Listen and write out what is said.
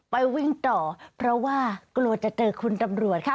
ไปวิ่งต่อเพราะว่ากลัวจะเจอคุณตำรวจค่ะ